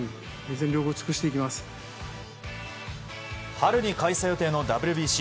春に開催予定のＷＢＣ。